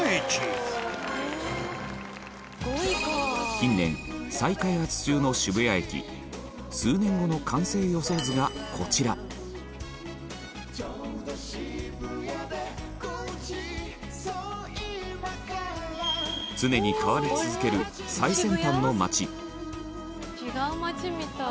近年、再開発中の渋谷駅数年後の完成予想図がこちら常に変わり続ける最先端の街本仮屋：違う街みたい。